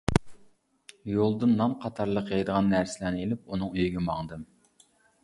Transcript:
يولدىن نان قاتارلىق يەيدىغان نەرسىلەرنى ئېلىپ ئۇنىڭ ئۆيىگە ماڭدىم.